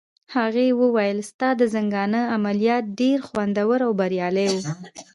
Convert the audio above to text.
هغې وویل: ستا د زنګانه عملیات ډېر خوندور او بریالي وو.